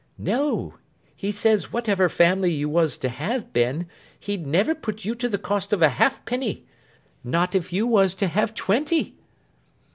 'No. He says whatever family you was to have, Ben, he'd never put you to the cost of a halfpenny. Not if you was to have twenty.